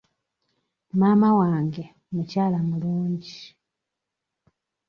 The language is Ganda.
Maama wange mukyala mulungi.